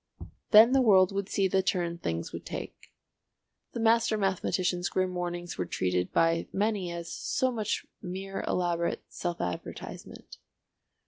Then the world would see the turn things would take. The master mathematician's grim warnings were treated by many as so much mere elaborate self advertisement.